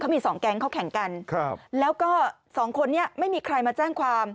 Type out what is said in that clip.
เขามี๒แก๊งเขาแข่งกันแล้วก็๒คนนี้ไม่มีใครมาแจ้งความ